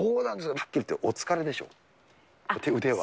はっきり言ってお疲れでしょ、腕は。